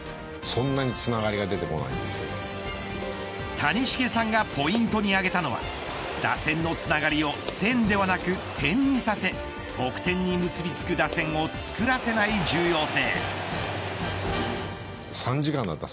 谷繁さんがポイントに挙げたのは打線のつながりを線ではなく点にさせ得点に結びつく打線を作らせない重要性。